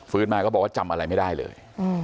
มาก็บอกว่าจำอะไรไม่ได้เลย